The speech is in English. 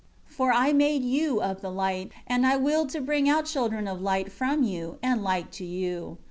14 For I made you of the light; and I willed to bring out children of light from you and like to you.